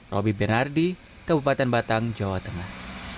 robby benardi kebupatan batang jawa tengah